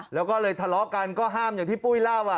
แล้วก็เลยทะเลาะกันก็ห้ามอย่างที่ปุ้ยเล่า